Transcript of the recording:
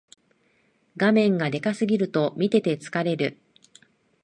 画面がでかすぎると見てて疲れる